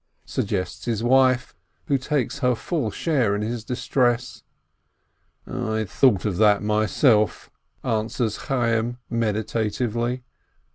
suggests his wife, who takes her full share in his distress. "I had thought of that myself/' answers Chayyim, meditatively.